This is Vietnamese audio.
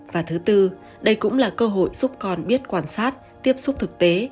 và thứ tư đây cũng là cơ hội giúp con biết quan sát tiếp xúc thực tế